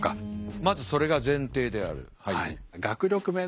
まずそれが前提である。